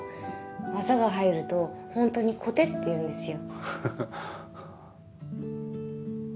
技が入るとホントにコテっていうんですよ。